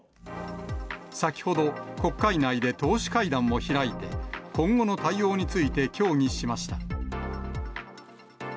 先ほど、国会内で党首会談を開いて、今後の対応について協議しました。